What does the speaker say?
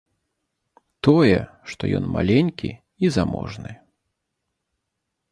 Тое, што ён маленькі і заможны.